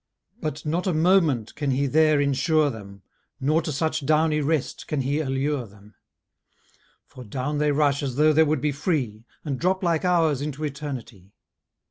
But not a moment can he there insure them, Nor to such downy rest can he allure them; For down they rush as though they would be free, And drop like hours into eternity.